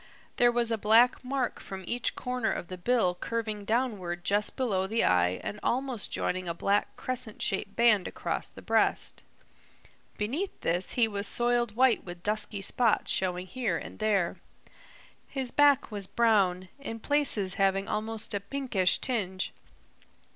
There was a black mark from each corner of the bill curving downward just below the eye and almost joining a black crescent shaped band across the breast. Beneath this he was soiled white with dusky spots showing here and there. His back was brown, in places having almost a pinkish tinge.